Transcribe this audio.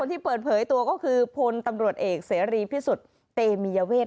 ที่เปิดเผยตัวก็คือพลตำรวจเอกเสรีพิสุทธิ์เตมียเวท